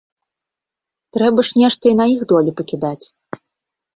Трэба ж нешта і на іх долю пакідаць.